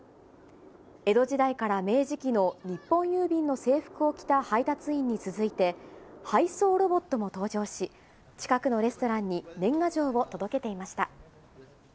江戸時代から明治期の日本郵便の制服を着た配達員に続いて、配送ロボットも登場し、近くのレストランに年賀状を届けていまし